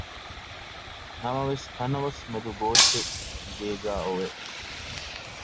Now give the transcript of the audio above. ނަމަވެސް ތަނަވަސް މެދު ގޯއްޗެއް ގޭގައި އޮވެ